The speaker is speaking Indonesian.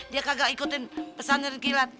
dia kagak ikutin pesan tereng kilat